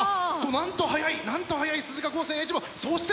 なんと速いなんと速い鈴鹿高専Ａチーム！